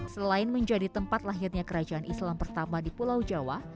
selain menjadi tempat lahirnya kerajaan islam pertama di pulau jawa